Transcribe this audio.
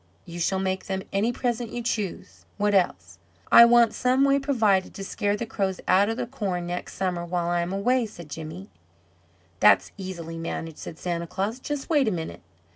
"You shall make them any present you choose. What else?" "I want some way provided to scare the crows out of the corn next summer, while I am away," said Jimmy. "That is easily managed," said Santa Claus. "Just wait a minute."